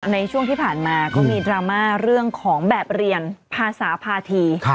ในช่วงที่ผ่านมาก็มีดราม่าเรื่องของแบบเรียนภาษาภาษี